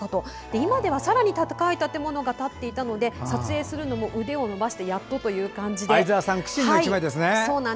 今ではさらに高い建物が建っていたので撮影するのも腕を伸ばすのがやっとと。